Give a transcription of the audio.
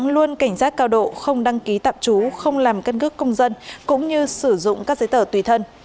hành giác cao độ không đăng ký tạm trú không làm cân cước công dân cũng như sử dụng các giấy tờ tùy thân